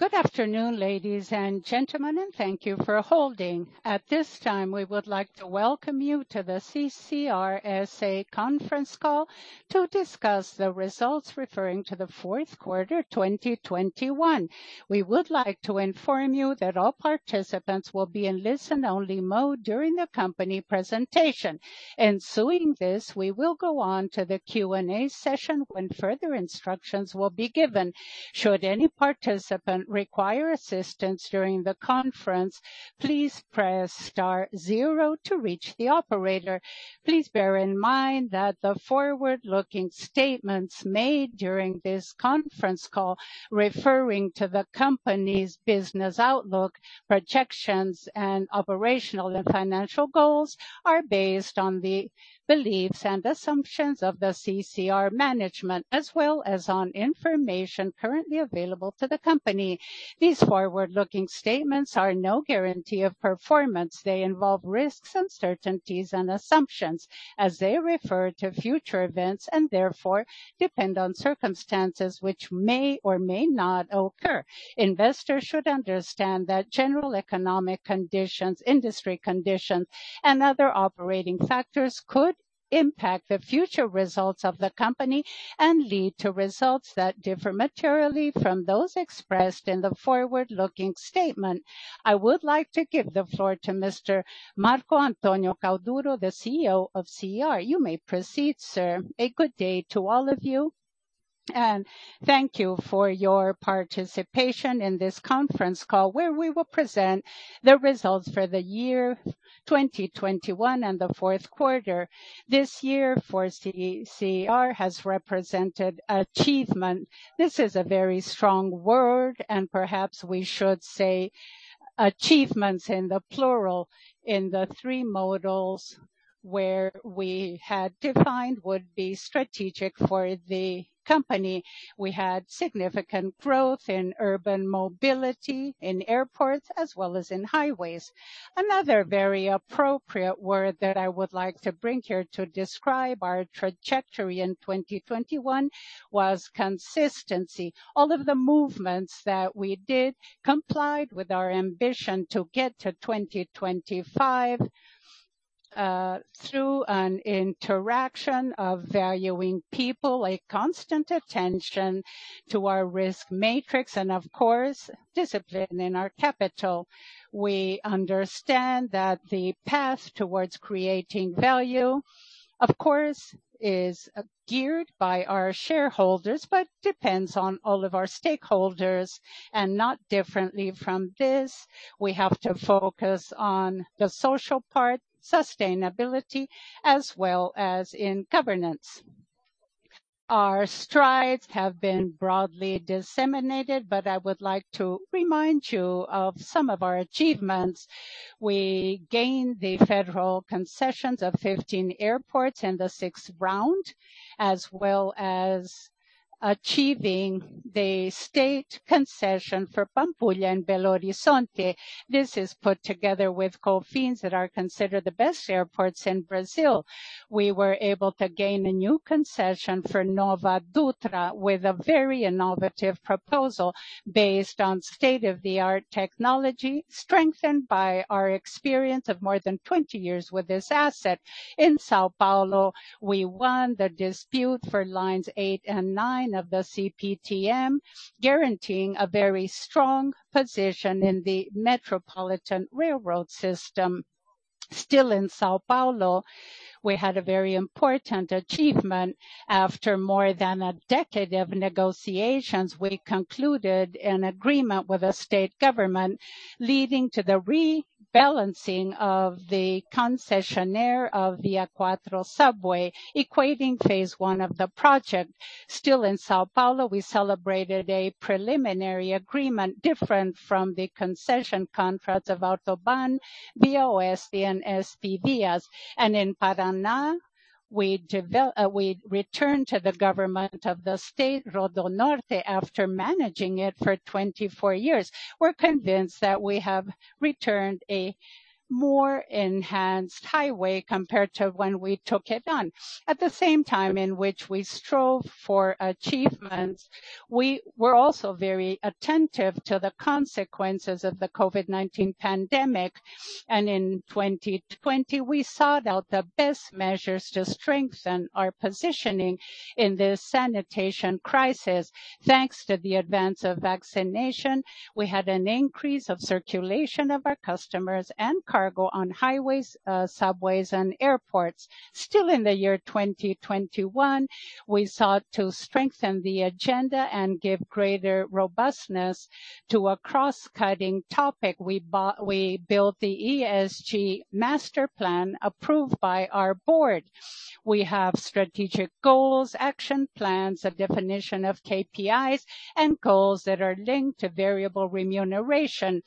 Good afternoon, ladies and gentlemen, and thank you for holding. At this time, we would like to welcome you to the CCR S.A. conference call to discuss the results referring to the fourth quarter, 2021. We would like to inform you that all participants will be in listen-only mode during the company presentation. Following this, we will go on to the Q&A session when further instructions will be given. Should any participant require assistance during the conference, please press star zero to reach the operator. Please bear in mind that the forward-looking statements made during this conference call referring to the company's business outlook, projections, and operational and financial goals are based on the beliefs and assumptions of the CCR management, as well as on information currently available to the company. These forward-looking statements are no guarantee of performance. They involve risks, uncertainties, and assumptions as they refer to future events and therefore depend on circumstances which may or may not occur. Investors should understand that general economic conditions, industry conditions, and other operating factors could impact the future results of the company and lead to results that differ materially from those expressed in the forward-looking statement. I would like to give the floor to Mr. Marco Antonio Cauduro, the CEO of CCR. You may proceed, sir. A good day to all of you, and thank you for your participation in this conference call, where we will present the results for the year 2021 and the fourth quarter. This year for CCR has represented achievement. This is a very strong word, and perhaps we should say achievements in the plural in the three models where we had defined would be strategic for the company. We had significant growth in urban mobility, in airports, as well as in highways. Another very appropriate word that I would like to bring here to describe our trajectory in 2021 was consistency. All of the movements that we did complied with our ambition to get to 2025 through an interaction of valuing people, a constant attention to our risk matrix, and of course, discipline in our capital. We understand that the path towards creating value, of course, is geared by our shareholders, but depends on all of our stakeholders and not differently from this. We have to focus on the social part, sustainability, as well as in governance. Our strides have been broadly disseminated, but I would like to remind you of some of our achievements. We gained the federal concessions of 15 airports in the sixth round, as well as achieving the state concession for Pampulha and Belo Horizonte. This is put together with Confins that are considered the best airports in Brazil. We were able to gain a new concession for Nova Dutra with a very innovative proposal based on state-of-the-art technology, strengthened by our experience of more than 20 years with this asset. In São Paulo, we won the dispute for lines 8 and 9 of the CPTM, guaranteeing a very strong position in the metropolitan railroad system. Still in São Paulo, we had a very important achievement. After more than a decade of negotiations, we concluded an agreement with the state government, leading to the rebalancing of the concessionaire of the Line 4 subway, activating phase one of the project. Still in São Paulo, we celebrated a preliminary agreement different from the concession contracts of AutoBAn, BOS and SPVias. In Paraná, we returned to the government of the state RodoNorte after managing it for 24 years. We're convinced that we have returned a more enhanced highway compared to when we took it on. At the same time in which we strove for achievements, we were also very attentive to the consequences of the COVID-19 pandemic. In 2020, we sought out the best measures to strengthen our positioning in this sanitation crisis. Thanks to the advance of vaccination, we had an increase of circulation of our customers and cargo on highways, subways and airports. Still in the year 2021, we sought to strengthen the agenda and give greater robustness to a cross-cutting topic. We built the ESG master plan approved by our board. We have strategic goals, action plans, a definition of KPIs and goals that are linked to variable remuneration.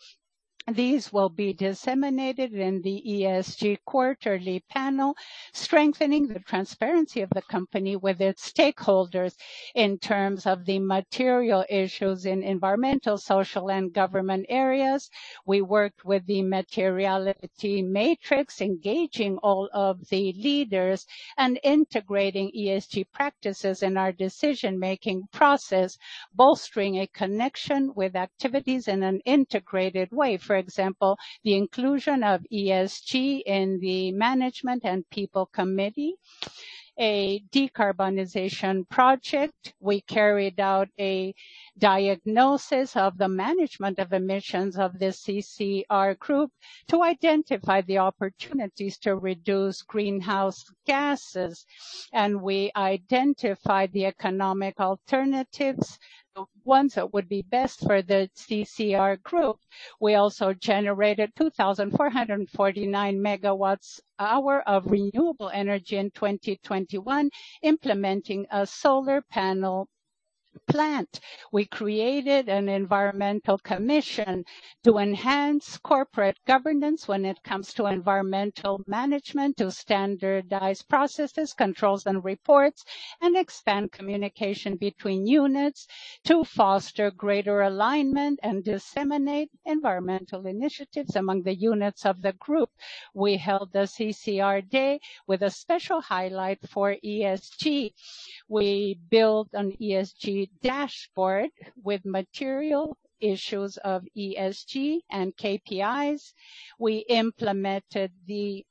These will be disseminated in the ESG quarterly panel, strengthening the transparency of the company with its stakeholders in terms of the material issues in environmental, social, and governance areas. We worked with the materiality matrix, engaging all of the leaders and integrating ESG practices in our decision-making process, bolstering a connection with activities in an integrated way. For example, the inclusion of ESG in the management and people committee. A decarbonization project. We carried out a diagnosis of the management of emissions of the CCR group to identify the opportunities to reduce greenhouse gases. We identified the economic alternatives, the ones that would be best for the CCR group. We also generated 2,449 megawatt-hours of renewable energy in 2021, implementing a solar panel plant. We created an environmental commission to enhance corporate governance when it comes to environmental management, to standardize processes, controls and reports, and expand communication between units to foster greater alignment and disseminate environmental initiatives among the units of the group. We held the CCR Day with a special highlight for ESG. We built an ESG dashboard with material issues of ESG and KPIs. We implemented the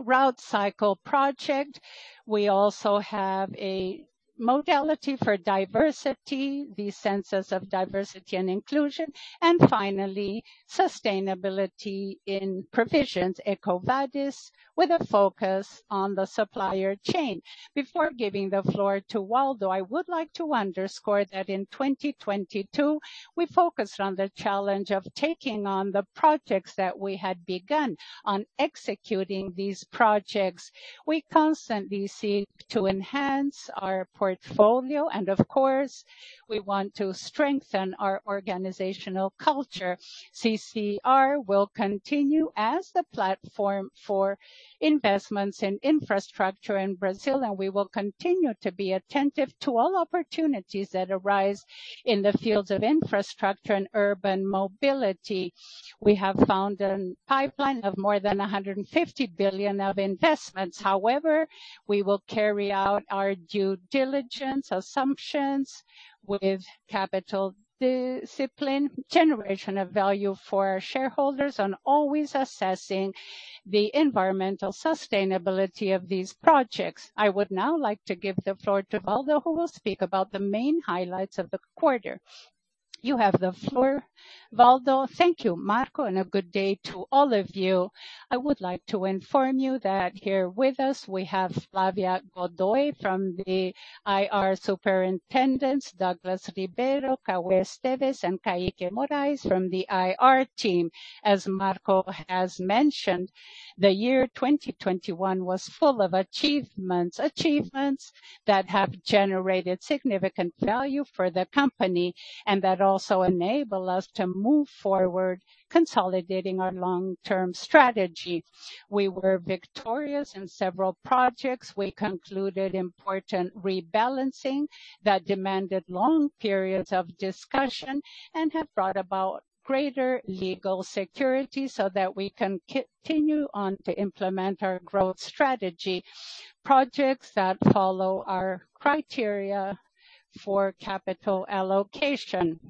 route cycle project. We also have a modality for diversity, the sense of diversity and inclusion, and finally, sustainability in provisions, EcoVadis, with a focus on the supply chain. Before giving the floor to Waldo, I would like to underscore that in 2022, we focused on the challenge of taking on the projects that we had begun, on executing these projects. We constantly seek to enhance our portfolio, and of course, we want to strengthen our organizational culture. CCR will continue as the platform for investments in infrastructure in Brazil, and we will continue to be attentive to all opportunities that arise in the fields of infrastructure and urban mobility. We have found a pipeline of more than 150 billion of investments. However, we will carry out our due diligence assumptions with capital discipline, generation of value for our shareholders, and always assessing the environmental sustainability of these projects. I would now like to give the floor to Waldo, who will speak about the main highlights of the quarter. You have the floor, Waldo. Thank you, Marco, and a good day to all of you. I would like to inform you that here with us we have Flávia Godoy from the IR Superintendents, Douglas Ribeiro, Cauê Esteves, and Kaique Moraes from the IR team. As Marco has mentioned, the year 2021 was full of achievements. Achievements that have generated significant value for the company, and that also enable us to move forward consolidating our long-term strategy. We were victorious in several projects. We concluded important rebalancing that demanded long periods of discussion and have brought about greater legal security, so that we can continue on to implement our growth strategy, projects that follow our criteria for capital allocation.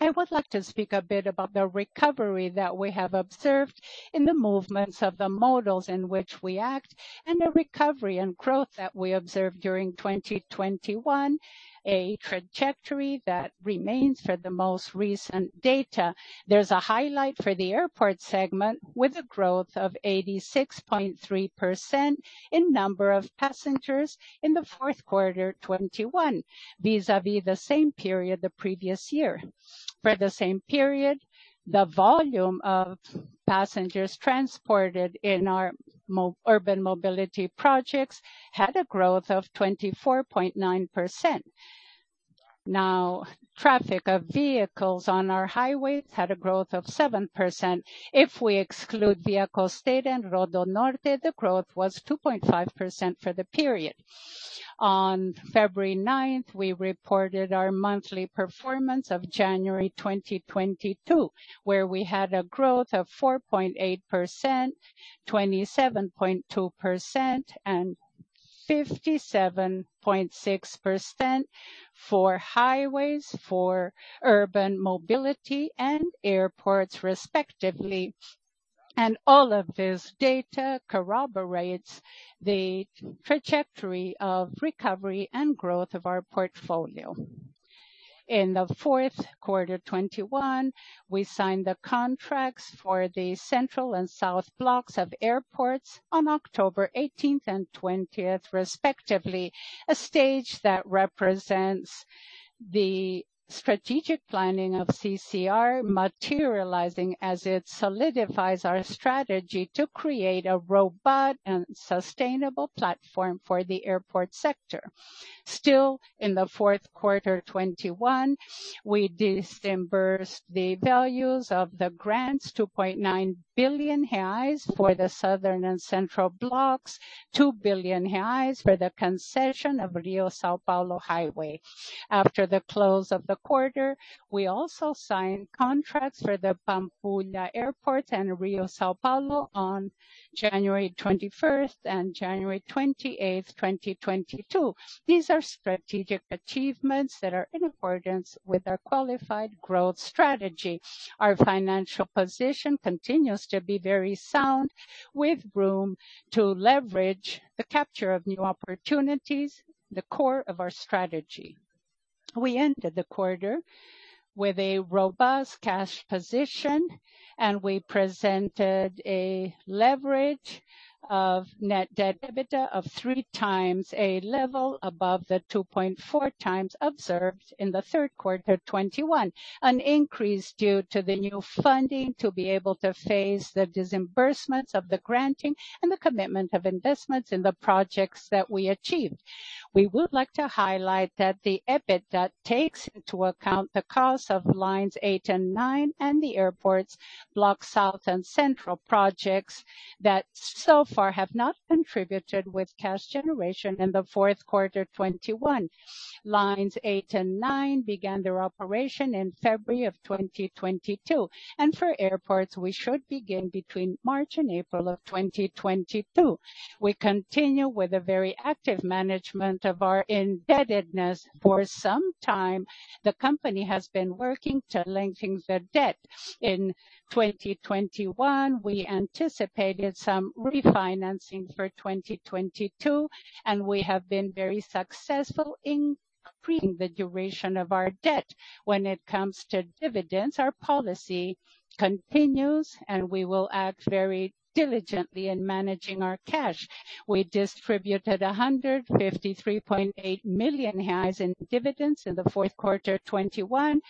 I would like to speak a bit about the recovery that we have observed in the movements of the modalities in which we act, and the recovery and growth that we observed during 2021, a trajectory that remains for the most recent data. There's a highlight for the airport segment, with a growth of 86.3% in number of passengers in the fourth quarter 2021, vis-à-vis the same period the previous year. For the same period, the volume of passengers transported in our urban mobility projects had a growth of 24.9%. Now, traffic of vehicles on our highways had a growth of 7%. If we exclude ViaCosteira and RodoNorte, the growth was 2.5% for the period. On February 9, we reported our monthly performance of January 2022, where we had a growth of 4.8%, 27.2%, and 57.6% for highways, for urban mobility, and airports respectively. All of this data corroborates the trajectory of recovery and growth of our portfolio. In the fourth quarter 2021, we signed the contracts for the Central Block and South Block of airports on October 18 and 20 respectively, a stage that represents the strategic planning of CCR materializing as it solidifies our strategy to create a robust and sustainable platform for the airport sector. Still in the fourth quarter 2021, we disbursed the values of the grants, 2.9 billion reais for the southern and central blocks, 2 billion reais for the concession of Rio-São Paulo Highway. After the close of the quarter, we also signed contracts for the Pampulha Airport and Rio-São Paulo on January 21 and January 28, 2022. These are strategic achievements that are in accordance with our qualified growth strategy. Our financial position continues to be very sound, with room to leverage the capture of new opportunities, the core of our strategy. We ended the quarter with a robust cash position, and we presented a leverage of Net Debt/EBITDA of 3x a level above the 2.4x observed in the third quarter 2021. An increase due to the new funding to be able to face the disbursements of the granting and the commitment of investments in the projects that we achieved. We would like to highlight that the EBITDA takes into account the cost of Lines 8 and 9 and the airports South Block and Central Block projects that so far have not contributed with cash generation in the fourth quarter 2021. Lines 8 and 9 began their operation in February 2022, and for airports we should begin between March and April 2022. We continue with a very active management of our indebtedness. For some time, the company has been working to lengthen the debt. In 2021, we anticipated some refinancing for 2022, and we have been very successful in increasing the duration of our debt. When it comes to dividends, our policy continues, and we will act very diligently in managing our cash. We distributed 153.8 million reais in dividends in the fourth quarter 2021,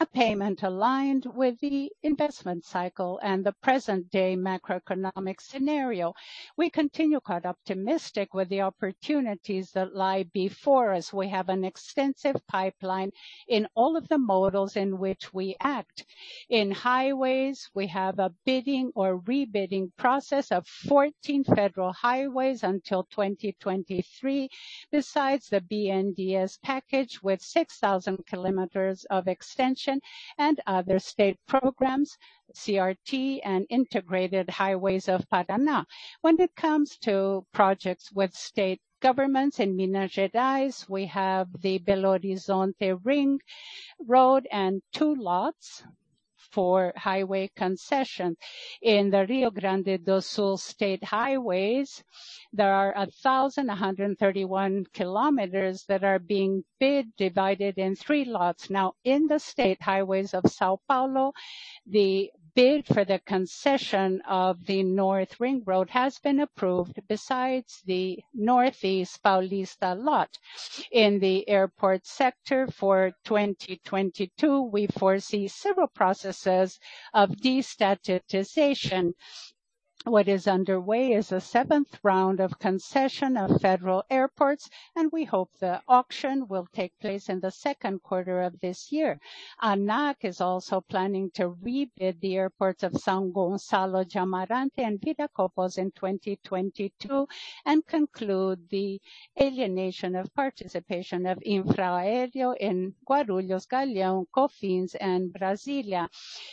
a payment aligned with the investment cycle and the present day macroeconomic scenario. We continue quite optimistic with the opportunities that lie before us. We have an extensive pipeline in all of the models in which we act. In highways, we have a bidding or rebidding process of 14 federal highways until 2023. Besides the BNDES package with 6,000 km of extension and other state programs, CRT and integrated highways of Paraná. When it comes to projects with state governments in Minas Gerais, we have the Belo Horizonte Ring Road and two lots for highway concession. In the Rio Grande do Sul state highways, there are 1,131 km that are being bid, divided in three lots. Now, in the state highways of São Paulo, the bid for the concession of the North Ring Road has been approved besides the Northeast Paulista lot. In the airport sector for 2022, we foresee several processes of destatization. What is underway is a seventh round of concession of federal airports, and we hope the auction will take place in the second quarter of this year. ANAC is also planning to rebid the airports of São Gonçalo, Jamarante and Viracopos in 2022 and conclude the alienation of participation of Infraero in Guarulhos, Galeão, Confins and Brasília.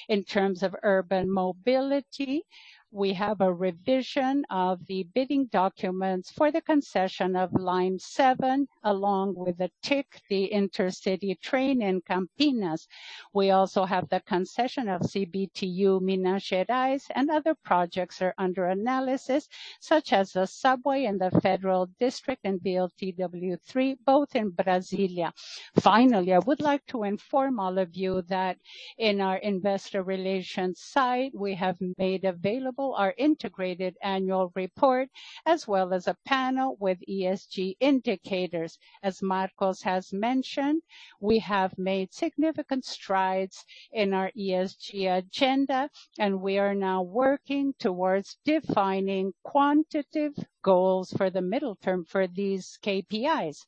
In terms of urban mobility, we have a revision of the bidding documents for the concession of Line 7, along with the TIC, the intercity train in Campinas. We also have the concession of CBTU Minas Gerais, and other projects are under analysis, such as the subway in the Federal District and VLT W3, both in Brasília. Finally, I would like to inform all of you that in our investor relations site, we have made available our integrated annual report as well as a panel with ESG indicators. As Marco has mentioned, we have made significant strides in our ESG agenda, and we are now working towards defining quantitative goals for the medium term for these KPIs.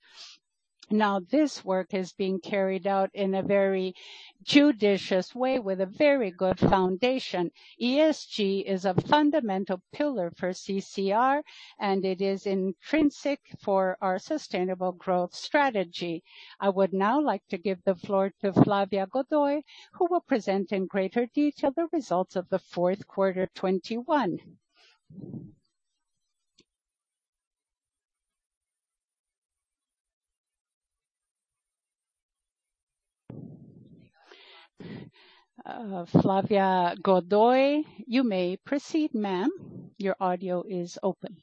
Now, this work is being carried out in a very judicious way with a very good foundation. ESG is a fundamental pillar for CCR, and it is intrinsic for our sustainable growth strategy. I would now like to give the floor to Flávia Godoy, who will present in greater detail the results of the fourth quarter 2021. Flávia Godoy, you may proceed, ma'am. Your audio is open.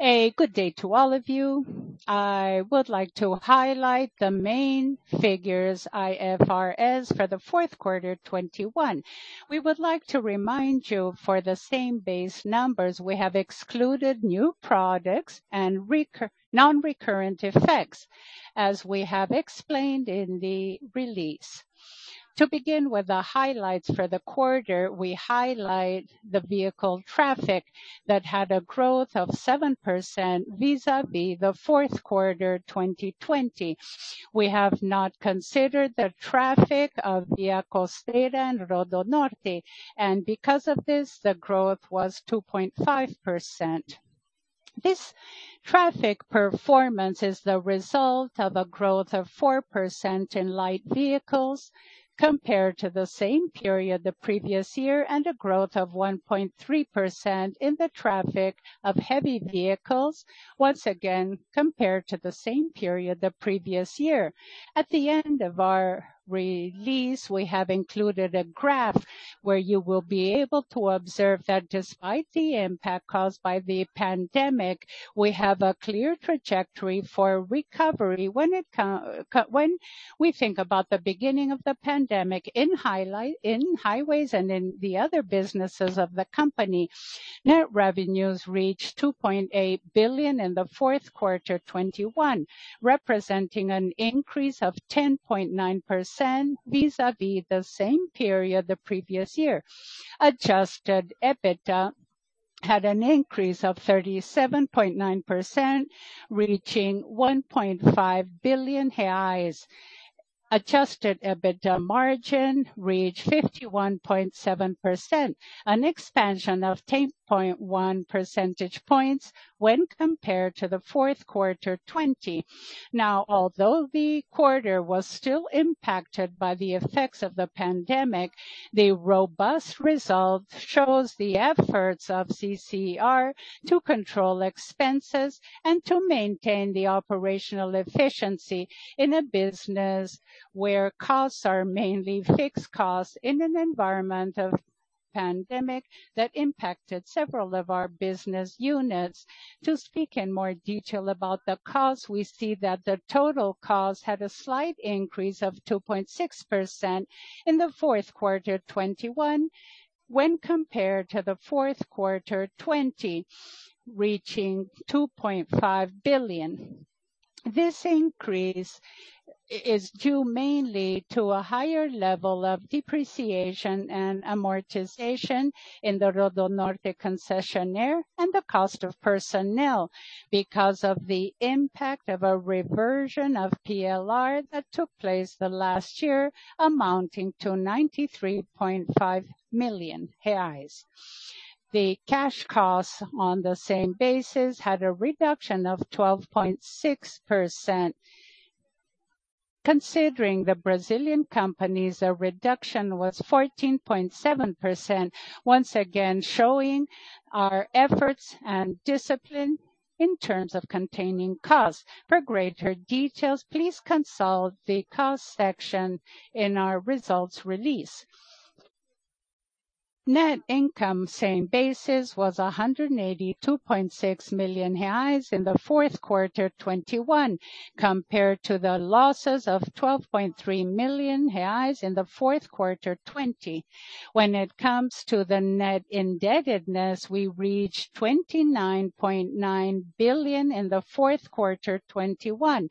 Good day to all of you. I would like to highlight the main figures IFRS for the fourth quarter 2021. We would like to remind you, for the same base numbers, we have excluded new products and non-recurrent effects, as we have explained in the release. To begin with the highlights for the quarter, we highlight the vehicle traffic that had a growth of 7% vis-à-vis the fourth quarter 2020. We have not considered the traffic of ViaCosteira and RodoNorte, and because of this, the growth was 2.5%. This traffic performance is the result of a growth of 4% in light vehicles compared to the same period the previous year, and a growth of 1.3% in the traffic of heavy vehicles, once again compared to the same period the previous year. At the end of our release, we have included a graph where you will be able to observe that despite the impact caused by the pandemic, we have a clear trajectory for recovery. When we think about the beginning of the pandemic in hindsight, in highways and in the other businesses of the company. Net revenues reached 2.8 billion in the fourth quarter 2021, representing an increase of 10.9% vis-a-vis the same period the previous year. Adjusted EBITDA had an increase of 37.9%, reaching 1.5 billion reais. Adjusted EBITDA margin reached 51.7%, an expansion of 10.1 percentage points when compared to the fourth quarter 2020. Now, although the quarter was still impacted by the effects of the pandemic, the robust result shows the efforts of CCR to control expenses and to maintain the operational efficiency in a business where costs are mainly fixed costs in an environment of pandemic that impacted several of our business units. To speak in more detail about the costs, we see that the total cost had a slight increase of 2.6% in the fourth quarter 2021 when compared to the fourth quarter 2020, reaching 2.5 billion. This increase is due mainly to a higher level of depreciation and amortization in the RodoNorte concessionaire and the cost of personnel because of the impact of a reversion of PLR that took place the last year, amounting to 93.5 million reais. The cash costs on the same basis had a reduction of 12.6%. Considering the Brazilian companies, the reduction was 14.7%, once again, showing our efforts and discipline in terms of containing costs. For greater details, please consult the cost section in our results release. Net income, same basis, was 182.6 million reais in the fourth quarter 2021, compared to the losses of 12.3 million reais in the fourth quarter 2020. When it comes to the net indebtedness, we reached 29.9 billion in the fourth quarter 2021,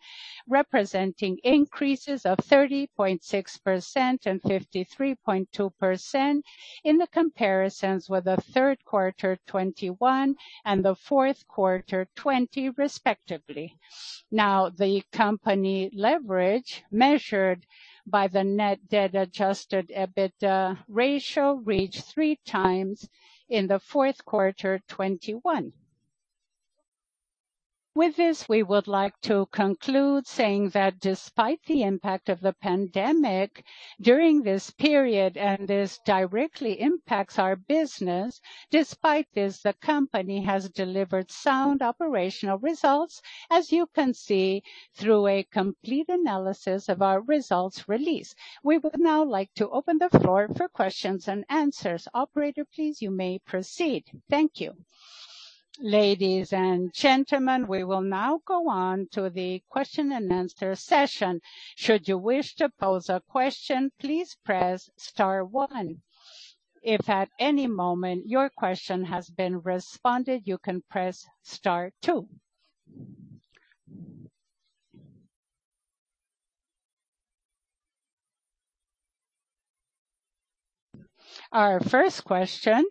representing increases of 30.6% and 53.2% in the comparisons with the third quarter 2021 and the fourth quarter 2020 respectively. Now, the company leverage measured by the net debt adjusted EBITDA ratio reached 3x in the fourth quarter 2021. With this, we would like to conclude saying that despite the impact of the pandemic during this period, and this directly impacts our business. Despite this, the company has delivered sound operational results, as you can see through a complete analysis of our results release. We would now like to open the floor for questions and answers. Operator, please you may proceed. Thank you. Ladies and gentlemen, we will now go on to the question and answer session. Should you wish to pose a question, please press star one. If at any moment your question has been responded, you can press star two. Our first question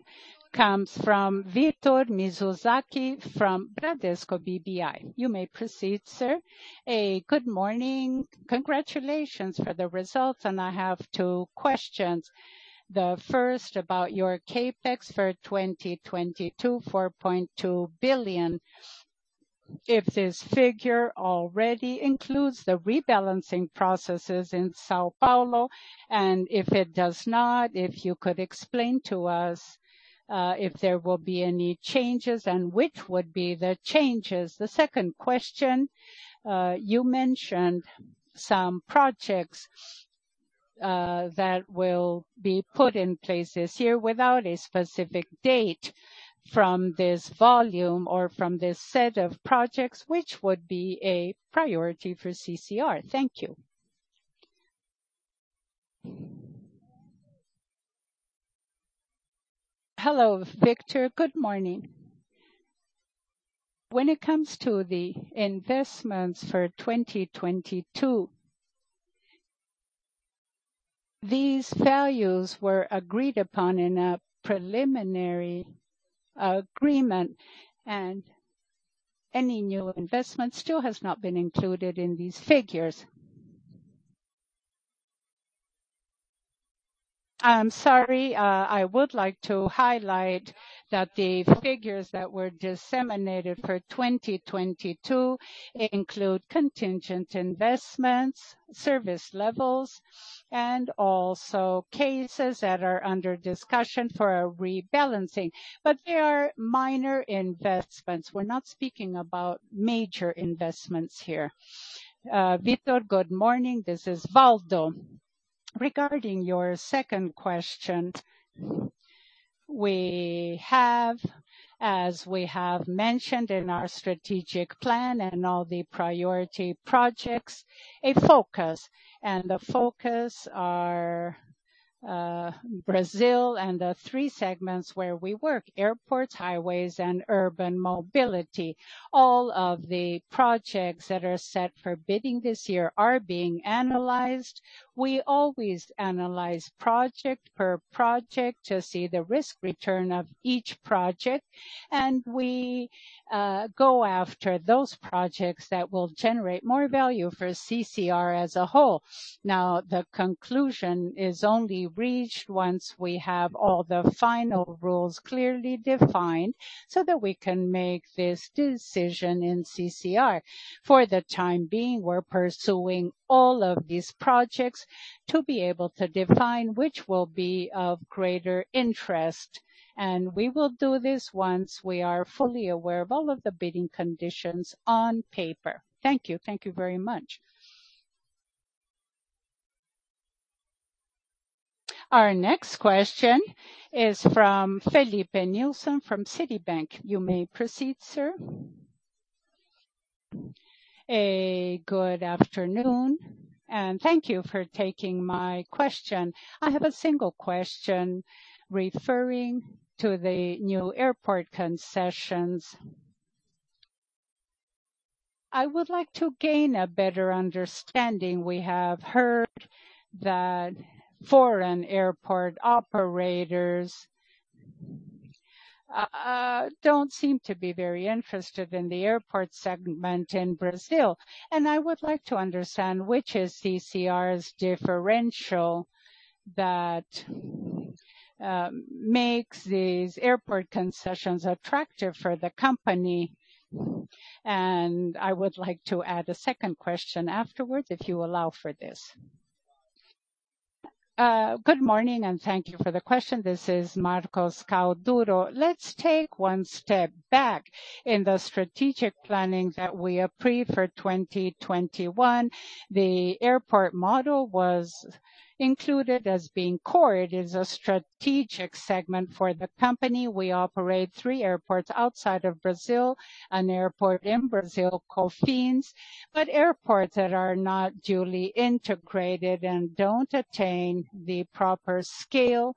comes from Victor Mizusaki from Bradesco BBI. You may proceed, sir. Good morning. Congratulations for the results, and I have two questions. The first about your CapEx for 2022, 4.2 billion. If this figure already includes the rebalancing processes in São Paulo, and if it does not, if you could explain to us, if there will be any changes and which would be the changes. The second question, you mentioned some projects, that will be put in place this year without a specific date from this volume or from this set of projects, which would be a priority for CCR. Thank you. Hello, Victor. Good morning. When it comes to the investments for 2022, these values were agreed upon in a preliminary agreement, and any new investment still has not been included in these figures. I'm sorry. I would like to highlight that the figures that were disseminated for 2022 include contingent investments, service levels, and also cases that are under discussion for a rebalancing. They are minor investments. We're not speaking about major investments here. Victor, good morning. This is Waldo. Regarding your second question, we have, as we have mentioned in our strategic plan and all the priority projects, a focus. The focus are Brazil and the three segments where we work, airports, highways, and urban mobility. All of the projects that are set for bidding this year are being analyzed. We always analyze project per project to see the risk return of each project, and we go after those projects that will generate more value for CCR as a whole. Now, the conclusion is only reached once we have all the final rules clearly defined so that we can make this decision in CCR. For the time being, we're pursuing all of these projects to be able to define which will be of greater interest. We will do this once we are fully aware of all of the bidding conditions on paper. Thank you. Thank you very much. Our next question is from Felipe Nilsson from Citibank. You may proceed, sir. Good afternoon, and thank you for taking my question. I have a single question referring to the new airport concessions. I would like to gain a better understanding. We have heard that foreign airport operators don't seem to be very interested in the airport segment in Brazil, and I would like to understand which is CCR's differential that makes these airport concessions attractive for the company. I would like to add a second question afterwards, if you allow for this. Good morning, and thank you for the question. This is Marco Cauduro. Let's take one step back. In the strategic planning that we approved for 2021, the airport model was included as being core. It is a strategic segment for the company. We operate three airports outside of Brazil, an airport in Brazil, Confins, but airports that are not duly integrated and don't attain the proper scale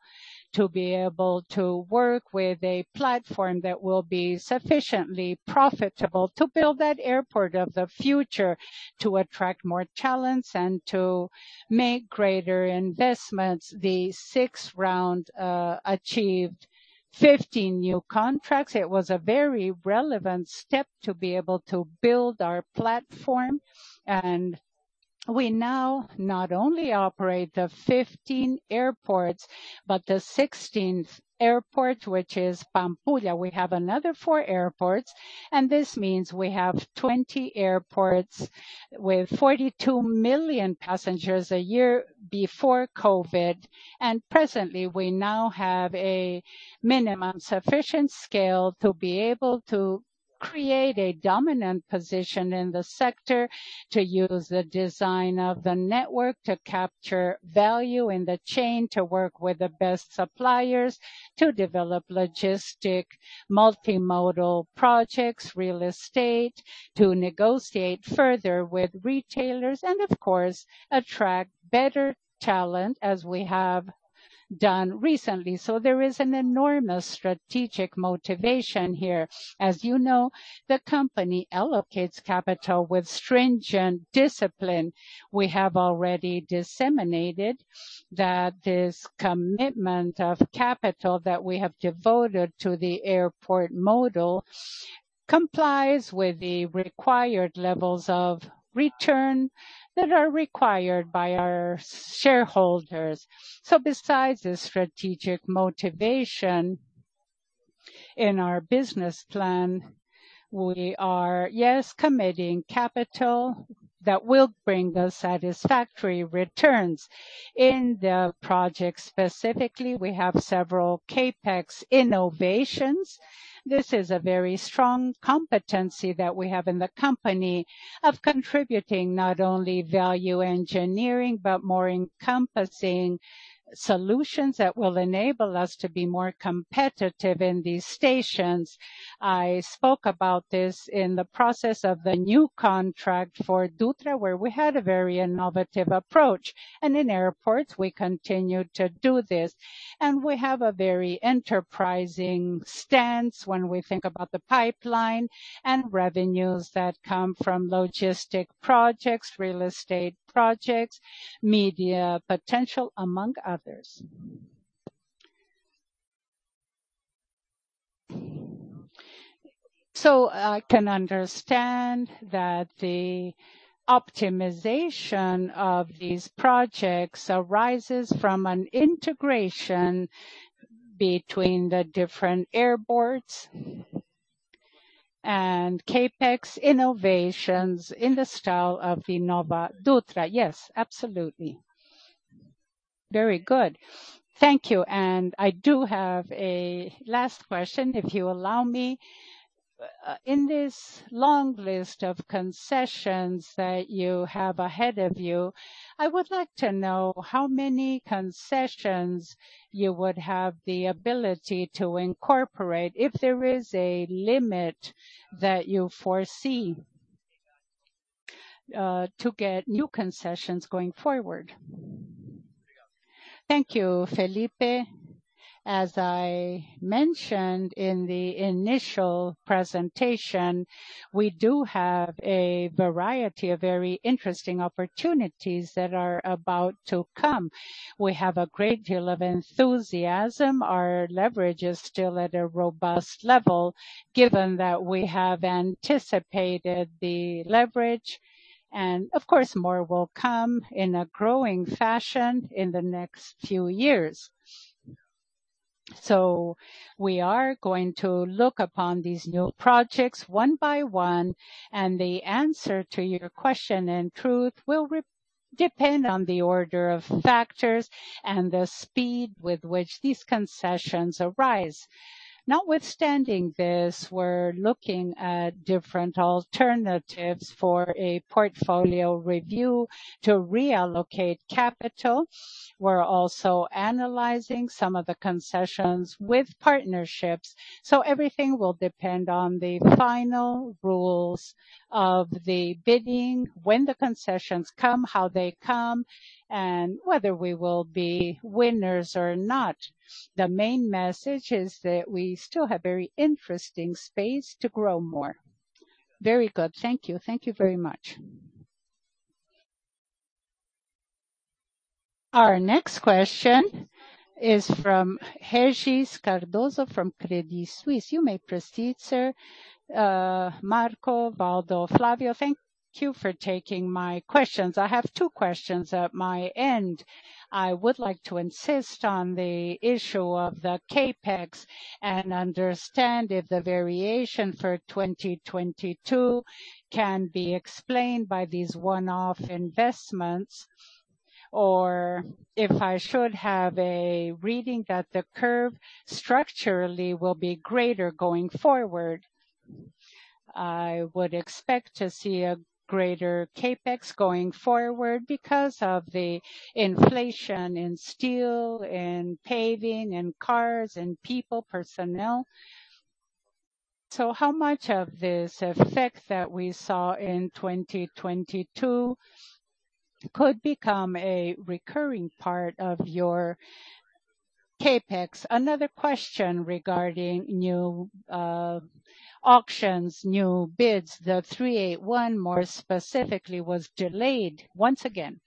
to be able to work with a platform that will be sufficiently profitable to build that airport of the future, to attract more talents and to make greater investments. The 6th round achieved 15 new contracts. It was a very relevant step to be able to build our platform. We now not only operate the 15 airports, but the 16th airport, which is Pampulha. We have another 4 airports, and this means we have 20 airports with 42 million passengers a year before COVID. Presently, we now have a minimum sufficient scale to be able to create a dominant position in the sector, to use the design of the network to capture value in the chain, to work with the best suppliers, to develop logistics multi-modal projects, real estate, to negotiate further with retailers, and of course, attract better talent as we have done recently. There is an enormous strategic motivation here. As you know, the company allocates capital with stringent discipline. We have already disseminated that this commitment of capital that we have devoted to the airport model complies with the required levels of return that are required by our shareholders. Besides the strategic motivation in our business plan, we are, yes, committing capital that will bring us satisfactory returns. In the project specifically, we have several CapEx innovations. This is a very strong competency that we have in the company of contributing not only value engineering, but more encompassing solutions that will enable us to be more competitive in these stations. I spoke about this in the process of the new contract for Dutra, where we had a very innovative approach. In airports, we continue to do this. We have a very enterprising stance when we think about the pipeline and revenues that come from logistic projects, real estate projects, media potential, among others. I can understand that the optimization of these projects arises from an integration between the different airports and CapEx innovations in the style of Nova Dutra. Yes, absolutely. Very good. Thank you. I do have a last question, if you allow me. In this long list of concessions that you have ahead of you, I would like to know how many concessions you would have the ability to incorporate if there is a limit that you foresee, to get new concessions going forward. Thank you, Felipe. As I mentioned in the initial presentation, we do have a variety of very interesting opportunities that are about to come. We have a great deal of enthusiasm. Our leverage is still at a robust level, given that we have anticipated the leverage, and of course, more will come in a growing fashion in the next few years. We are going to look upon these new projects one by one, and the answer to your question, in truth, will depend on the order of factors and the speed with which these concessions arise. Notwithstanding this, we're looking at different alternatives for a portfolio review to reallocate capital. We're also analyzing some of the concessions with partnerships, so everything will depend on the final rules of the bidding, when the concessions come, how they come, and whether we will be winners or not. The main message is that we still have very interesting space to grow more. Very good. Thank you. Thank you very much. Our next question is from Regis Cardoso from Credit Suisse. You may proceed, sir. Marco, Waldo, Flavio, thank you for taking my questions. I have two questions at my end. I would like to insist on the issue of the CapEx and understand if the variation for 2022 can be explained by these one-off investments, or if I should have a reading that the curve structurally will be greater going forward. I would expect to see a greater CapEx going forward because of the inflation in steel, in paving, in cars, in people, personnel. How much of this effect that we saw in 2022 could become a recurring part of your CapEx? Another question regarding new auctions, new bids. The BR-381 more specifically was delayed once again.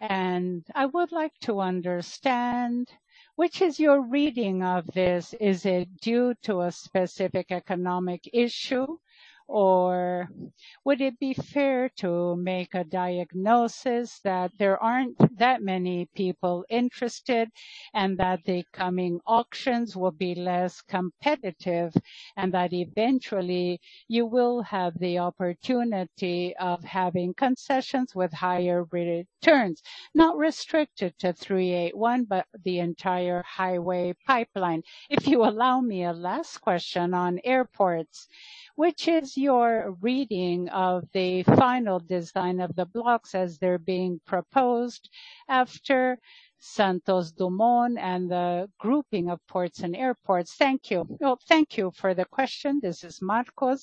I would like to understand, which is your reading of this. Is it due to a specific economic issue, or would it be fair to make a diagnosis that there aren't that many people interested, and that the coming auctions will be less competitive, and that eventually you will have the opportunity of having concessions with higher returns, not restricted to BR-381, but the entire highway pipeline. If you allow me a last question on airports, which is your reading of the final design of the blocks as they're being proposed after Santos Dumont and the grouping of ports and airports? Thank you. Well, thank you for the question. This is Marco.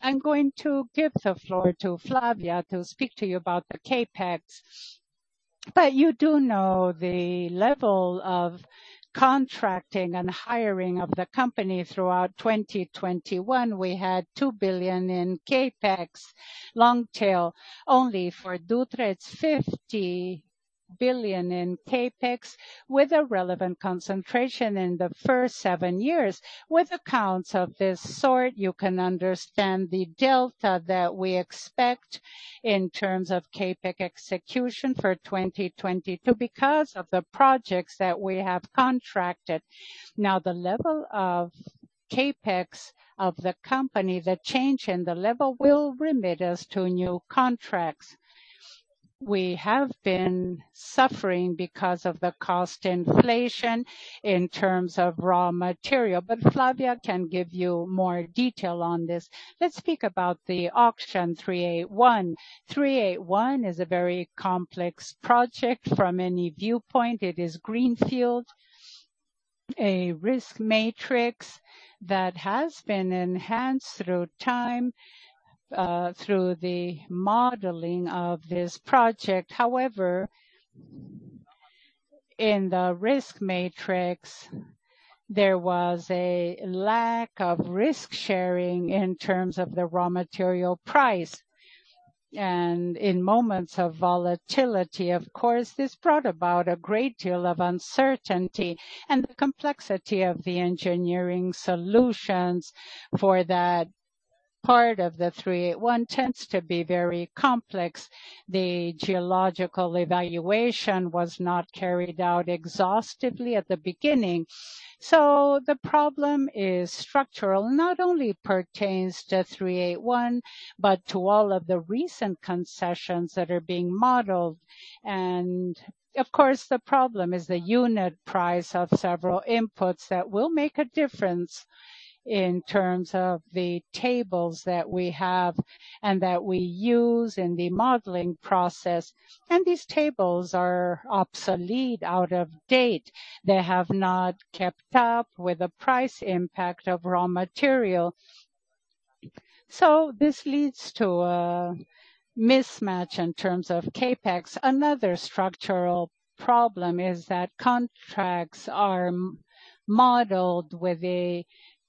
I'm going to give the floor to Flávia to speak to you about the CapEx. You do know the level of contracting and hiring of the company throughout 2021. We had 2 billion in CapEx long tail, only for Dutra, it's 50 billion in CapEx with a relevant concentration in the first seven years. With accounts of this sort, you can understand the delta that we expect in terms of CapEx execution for 2022 because of the projects that we have contracted. Now, the level of CapEx of the company, the change in the level will remit us to new contracts. We have been suffering because of the cost inflation in terms of raw material, but Flávia can give you more detail on this. Let's speak about the auction BR-381. BR-381 is a very complex project from any viewpoint. It is greenfield, a risk matrix that has been enhanced through time, through the modeling of this project. However, in the risk matrix, there was a lack of risk sharing in terms of the raw material price. In moments of volatility, of course, this brought about a great deal of uncertainty. The complexity of the engineering solutions for that part of the BR-381 tends to be very complex. The geological evaluation was not carried out exhaustively at the beginning. The problem is structural, not only pertains to BR-381, but to all of the recent concessions that are being modeled. Of course, the problem is the unit price of several inputs that will make a difference in terms of the tables that we have and that we use in the modeling process. These tables are obsolete, out of date. They have not kept up with the price impact of raw material. This leads to a mismatch in terms of CapEx. Another structural problem is that contracts are modeled with a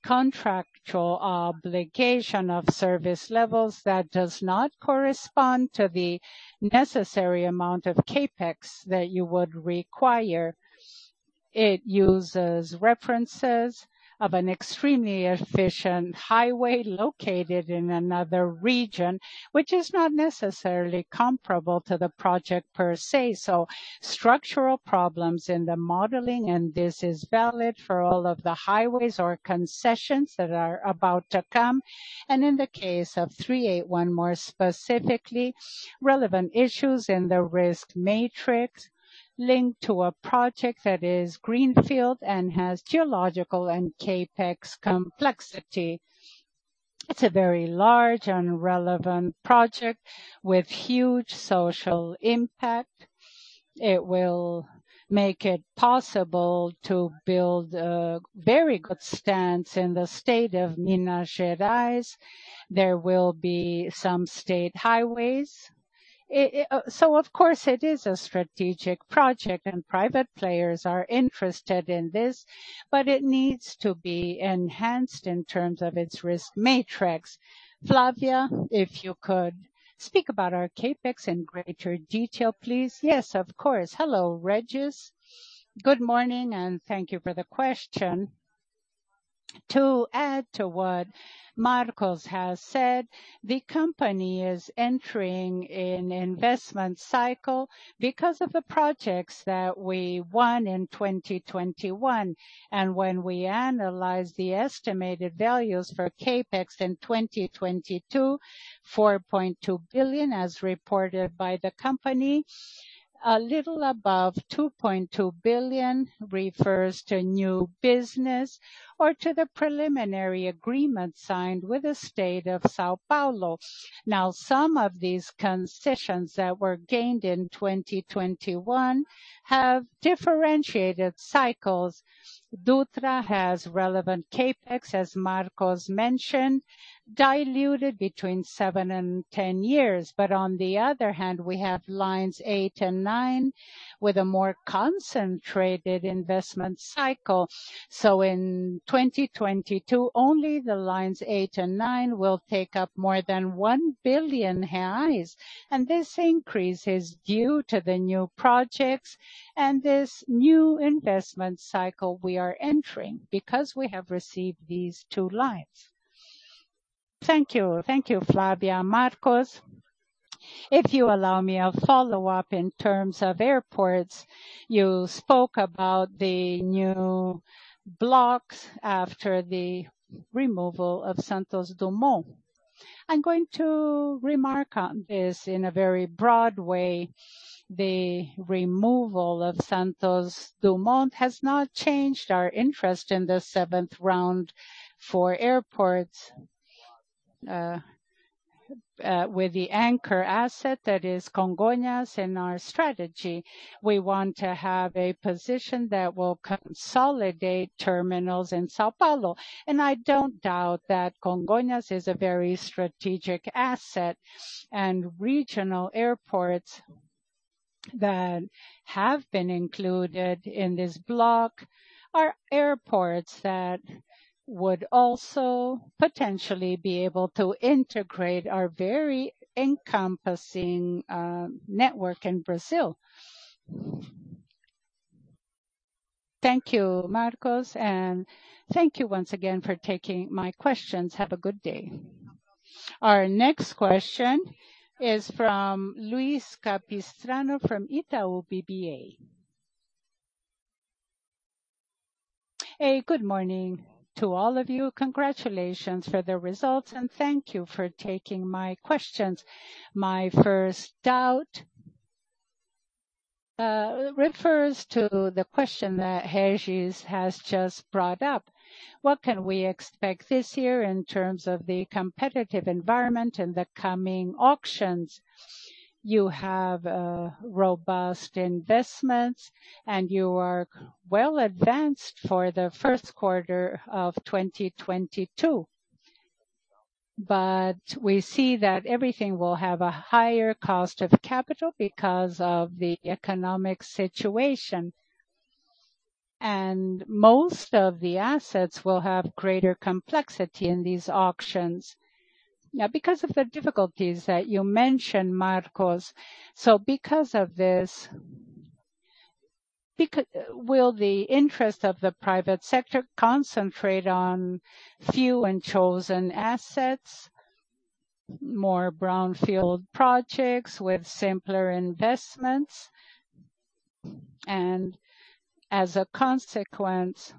contractual obligation of service levels that does not correspond to the necessary amount of CapEx that you would require. It uses references of an extremely efficient highway located in another region, which is not necessarily comparable to the project per se. Structural problems in the modeling, and this is valid for all of the highways or concessions that are about to come. In the case of BR-381 more specifically, relevant issues in the risk matrix linked to a project that is greenfield and has geological and CapEx complexity. It's a very large and relevant project with huge social impact. It will make it possible to build a very good stance in the state of Minas Gerais. There will be some state highways. Of course, it is a strategic project and private players are interested in this, but it needs to be enhanced in terms of its risk matrix. Flávia, if you could speak about our CapEx in greater detail, please. Yes, of course. Hello, Regis. Good morning, and thank you for the question. To add to what Marco has said, the company is entering an investment cycle because of the projects that we won in 2021. When we analyze the estimated values for CapEx in 2022, 4.2 billion as reported by the company, a little above 2.2 billion refers to new business or to the preliminary agreement signed with the state of São Paulo. Now, some of these concessions that were gained in 2021 have differentiated cycles. Dutra has relevant CapEx, as Marco mentioned, diluted between seven and 10 years. On the other hand, we have lines eight and nine with a more concentrated investment cycle. In 2022, only the lines 8 and 9 will take up more than 1 billion reais, and this increase is due to the new projects and this new investment cycle we are entering because we have received these two lines. Thank you. Thank you, Flávia. Marco, if you allow me a follow-up in terms of airports. You spoke about the new blocks after the removal of Santos Dumont. I'm going to remark on this in a very broad way. The removal of Santos Dumont has not changed our interest in the seventh round for airports. With the anchor asset that is Congonhas in our strategy, we want to have a position that will consolidate terminals in São Paulo. I don't doubt that Congonhas is a very strategic asset, and regional airports that have been included in this block are airports that would also potentially be able to integrate our very encompassing network in Brazil. Thank you, Marco, and thank you once again for taking my questions. Have a good day. Our next question is from Luiz Capistrano from Itaú BBA. Hey, good morning to all of you. Congratulations for the results, and thank you for taking my questions. My first doubt refers to the question that Regis has just brought up. What can we expect this year in terms of the competitive environment in the coming auctions? You have robust investments, and you are well advanced for the first quarter of 2022. But we see that everything will have a higher cost of capital because of the economic situation, and most of the assets will have greater complexity in these auctions now because of the difficulties that you mentioned, Marco. Because of this, will the interest of the private sector concentrate on few and chosen assets, more brownfield projects with simpler investments? As a consequence,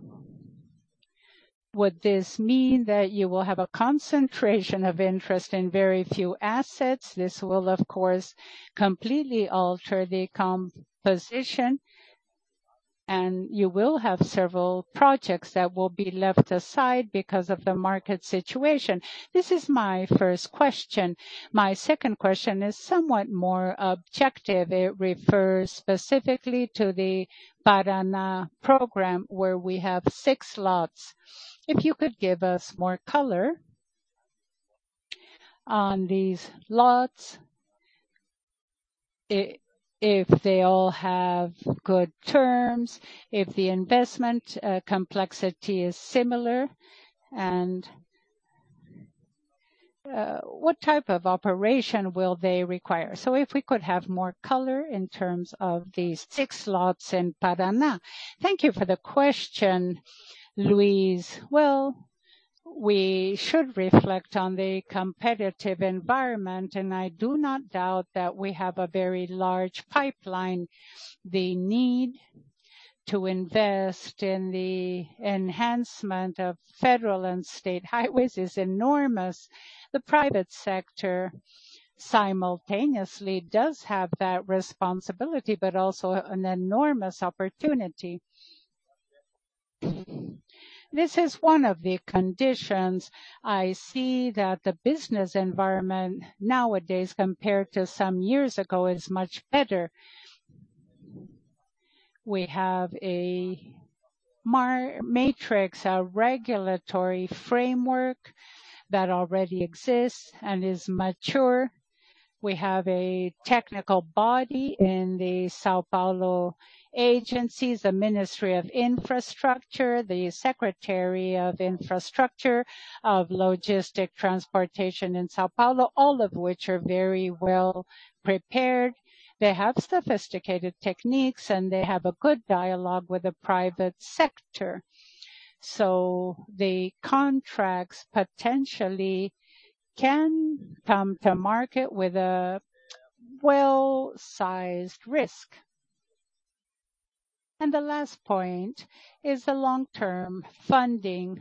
would this mean that you will have a concentration of interest in very few assets? This will of course completely alter the composition, and you will have several projects that will be left aside because of the market situation. This is my first question. My second question is somewhat more objective. It refers specifically to the Paraná program, where we have six lots. If you could give us more color on these lots, if they all have good terms, if the investment complexity is similar, and what type of operation will they require? So if we could have more color in terms of these six lots in Paraná. Thank you for the question, Luiz. Well, we should reflect on the competitive environment, and I do not doubt that we have a very large pipeline. The need to invest in the enhancement of federal and state highways is enormous. The private sector simultaneously does have that responsibility, but also an enormous opportunity. This is one of the conditions I see that the business environment nowadays, compared to some years ago, is much better. We have a matrix, a regulatory framework that already exists and is mature. We have a technical body in the São Paulo agencies, the Ministry of Infrastructure, the Secretary of Infrastructure, of Logistic Transportation in São Paulo, all of which are very well prepared. They have sophisticated techniques, and they have a good dialogue with the private sector. The contracts potentially can come to market with a well-sized risk. The last point is the long-term funding.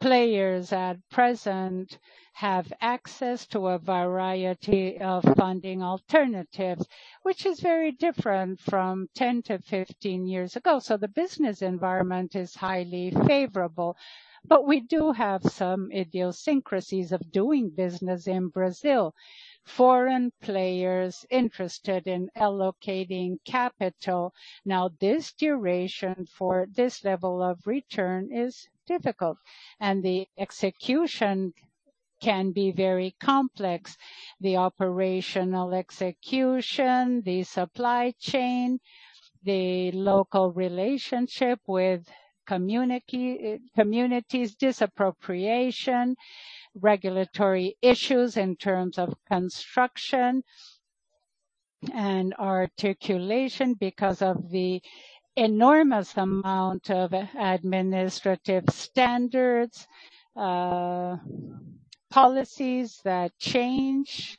Players at present have access to a variety of funding alternatives, which is very different from 10-15 years ago. The business environment is highly favorable, but we do have some idiosyncrasies of doing business in Brazil. Foreign players interested in allocating capital. Now, this duration for this level of return is difficult, and the execution can be very complex. The operational execution, the supply chain, the local relationship with communities, expropriation, regulatory issues in terms of construction, and articulation because of the enormous amount of administrative standards, policies that change,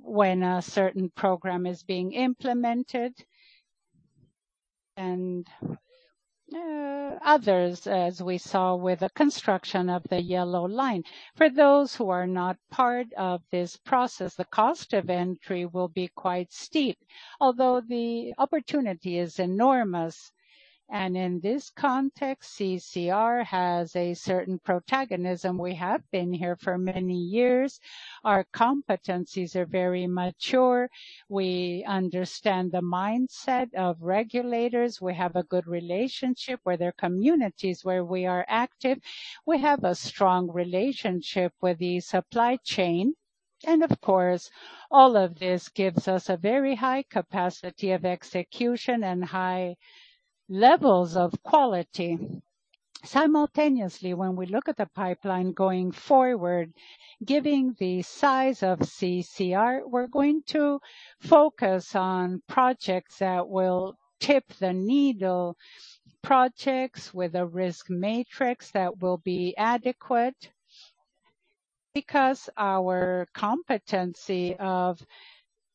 when a certain program is being implemented, and others, as we saw with the construction of the yellow line. For those who are not part of this process, the cost of entry will be quite steep, although the opportunity is enormous. In this context, CCR has a certain protagonism. We have been here for many years. Our competencies are very mature. We understand the mindset of regulators. We have a good relationship with the communities where we are active. We have a strong relationship with the supply chain. Of course, all of this gives us a very high capacity of execution and high levels of quality. Simultaneously, when we look at the pipeline going forward, given the size of CCR, we're going to focus on projects that will move the needle, projects with a risk matrix that will be adequate, because our competency of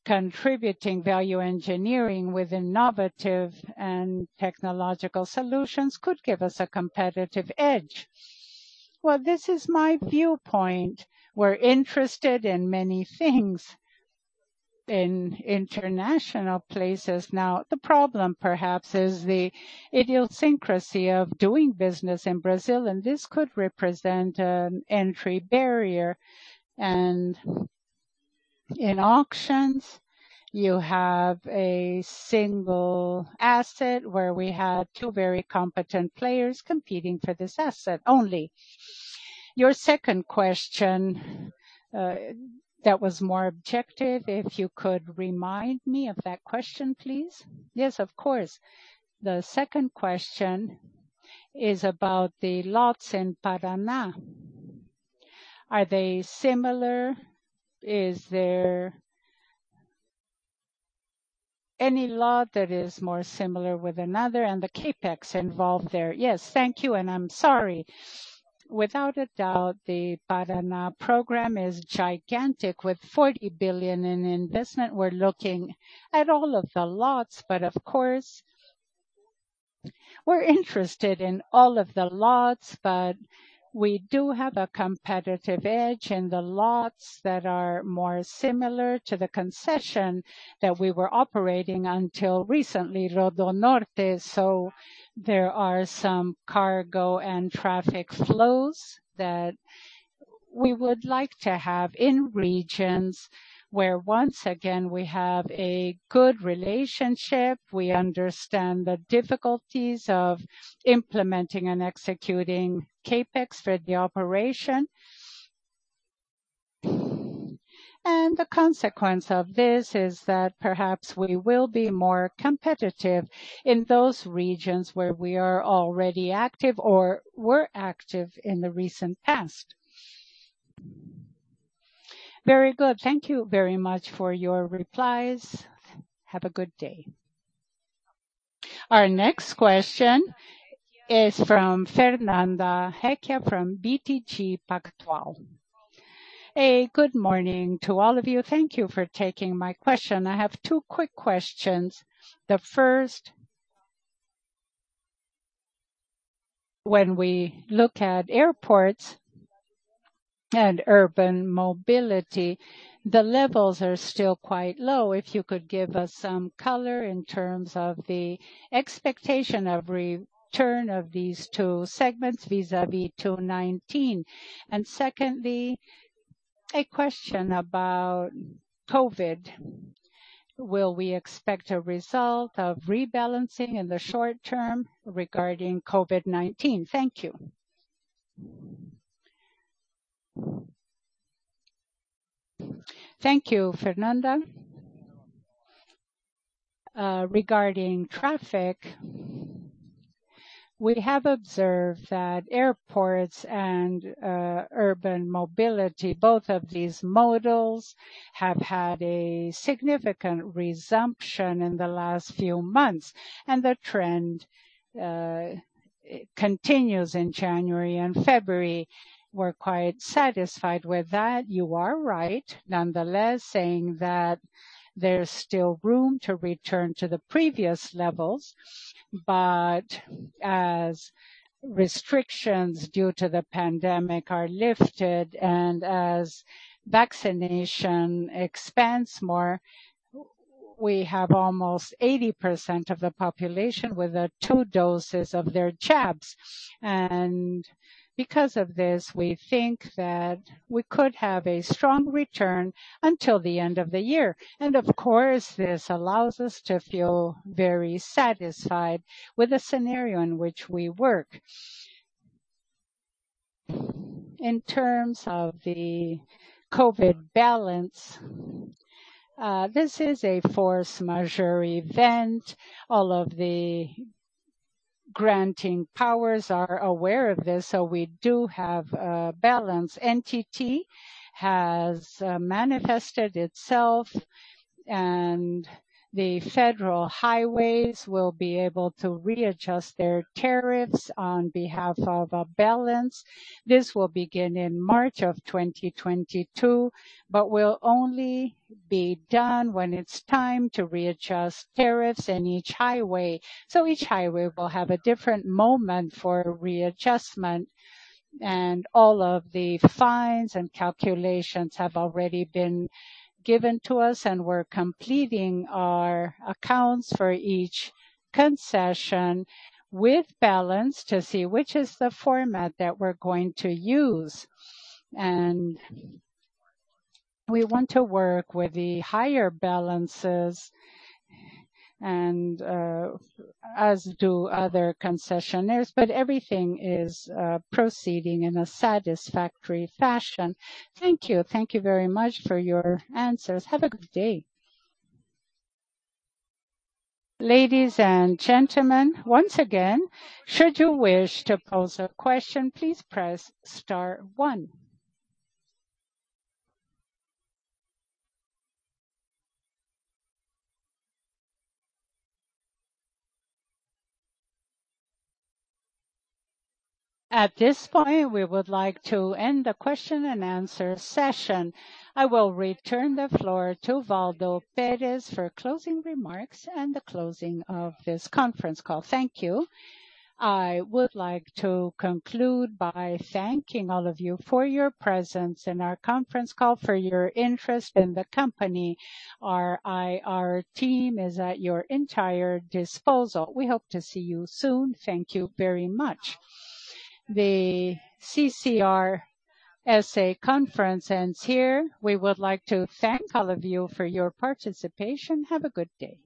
contributing value engineering with innovative and technological solutions could give us a competitive edge. Well, this is my viewpoint. We're interested in many things in international places. Now, the problem perhaps is the idiosyncrasy of doing business in Brazil, and this could represent an entry barrier. In auctions, you have a single asset where we had two very competent players competing for this asset only. Your second question, that was more objective, if you could remind me of that question, please. Yes, of course. The second question is about the lots in Paraná. Are they similar? Is there any lot that is more similar with another and the CapEx involved there? Yes, thank you, and I'm sorry. Without a doubt, the Paraná program is gigantic. With 40 billion in investment, we're looking at all of the lots, but of course, we're interested in all of the lots, but we do have a competitive edge in the lots that are more similar to the concession that we were operating until recently, RodoNorte. There are some cargo and traffic flows that we would like to have in regions where once again, we have a good relationship, we understand the difficulties of implementing and executing CapEx for the operation. The consequence of this is that perhaps we will be more competitive in those regions where we are already active or were active in the recent past. Very good. Thank you very much for your replies. Have a good day. Our next question is from Fernanda Recchia from BTG Pactual. Good morning to all of you. Thank you for taking my question. I have two quick questions. The first, when we look at airports and urban mobility, the levels are still quite low. If you could give us some color in terms of the expectation of return of these two segments vis-à-vis 2019. Secondly, a question about COVID. Will we expect a result of rebalancing in the short term regarding COVID-19? Thank you. Thank you, Fernanda. Regarding traffic, we have observed that airports and urban mobility, both of these models have had a significant resumption in the last few months, and the trend continues in January and February. We're quite satisfied with that. You are right, nonetheless, saying that there's still room to return to the previous levels. As restrictions due to the pandemic are lifted and as vaccination expands more, we have almost 80% of the population with the two doses of their jabs. Because of this, we think that we could have a strong return until the end of the year. Of course, this allows us to feel very satisfied with the scenario in which we work. In terms of the COVID balance, this is a force majeure event. All of the granting powers are aware of this, so we do have a balance. ANTT has manifested itself, and the federal highways will be able to readjust their tariffs on behalf of a balance. This will begin in March 2022, but will only be done when it's time to readjust tariffs in each highway. Each highway will have a different moment for readjustment. All of the files and calculations have already been given to us, and we're completing our accounts for each concession with balance to see which is the format that we're going to use. We want to work with the higher balances and, as do other concessionaires. Everything is proceeding in a satisfactory fashion. Thank you. Thank you very much for your answers. Have a good day. Ladies and gentlemen, once again, should you wish to pose a question, please press star one. At this point, we would like to end the question and answer session. I will return the floor to Waldo Perez for closing remarks and the closing of this conference call. Thank you. I would like to conclude by thanking all of you for your presence in our conference call, for your interest in the company. Our IR team is at your entire disposal. We hope to see you soon. Thank you very much. The CCR S.A. conference ends here. We would like to thank all of you for your participation. Have a good day.